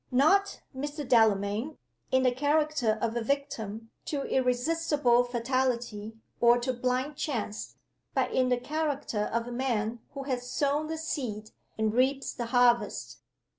Not, Mr. Delamayn, in the character of a victim to irresistible fatality, or to blind chance; but in the character of a man who has sown the seed, and reaps the harvest.